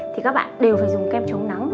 thì các bạn đều phải dùng kem chống nắng